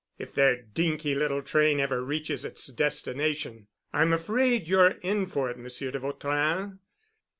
If their dinky little train ever reaches its destination. I'm afraid you're in for it, Monsieur de Vautrin."